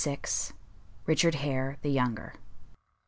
RICHARD HARE, THE YOUNGER.